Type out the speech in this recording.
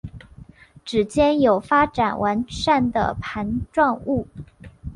趾尖有发展完善的盘状物。